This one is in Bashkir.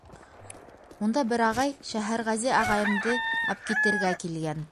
Унда бер ағай Шәһәрғәзе ағайымды әпкитергә килгән.